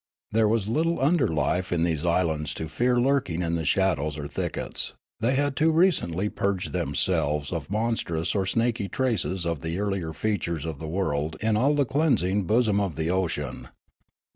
There was little underlife in these islands to fear lurk ing in the shadows or thickets ; they had too recently purged themselves of monstrous or snaky traces of the earlier features of the world in the all cleansing bosom of the ocean.